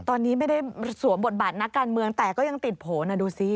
ตอนนี้ไม่ได้สวมบทบาทนักการเมืองแต่ก็ยังติดโผล่นะดูสิ